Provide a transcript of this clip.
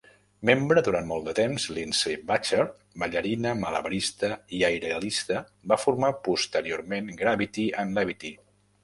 Membre durant molt de temps, Lindsey Butcher, ballarina, malabarista i aerialista va formar posteriorment Gravity and Levity.